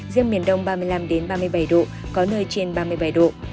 riêng miền đông ba mươi năm ba mươi bảy độ có nơi trên ba mươi bảy độ